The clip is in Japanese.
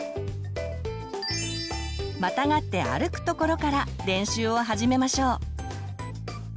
またがって歩くところから練習を始めましょう。